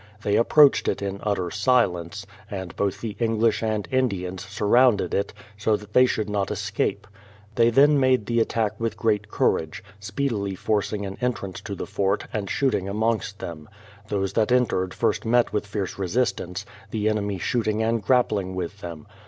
They approached it in utter silence, and both the English and Indians sur rounded it, so that they should not escape. They then made the attack with great courage, speedily forcing an entrance to the fort, and shooting amongst them. Those that en tered first met with fierce resistance, the enemy shooting and grappling with them.